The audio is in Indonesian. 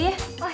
oh yaudah tenang